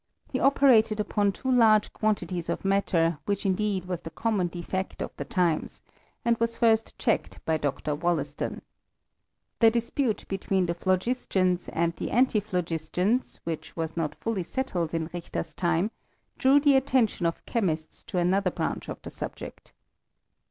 He operated upon too large quantities of matter, which indeed was the common defect of the times, and was first checked by Dr. WoUaston. The dispute between the phlogistians and the antiphlogistians, which was not fully settled in Richter*s time, drew the attention of chemists to another branch of the subject.